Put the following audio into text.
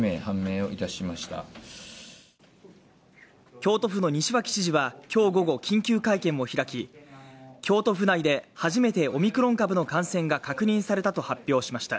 京都府の西脇知事は今日午後緊急会見を開き京都府内で初めてオミクロン株の感染が確認されたと発表しました。